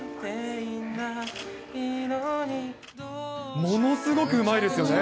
ものすごくうまいですよね。